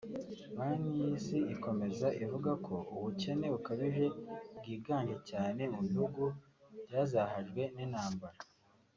Banki y’ isi ikomeza ivuga ko ubukene bukabije bwiganje cyane mu bihugu byazahajwe n’ intambara